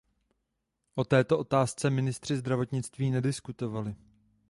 O této otázce ministři zdravotnictví nediskutovali.